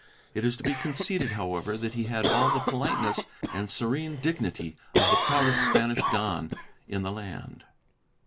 It is to be conceded, however, that he had all the politeness and serene dignity of the proudest Spanish don in the land.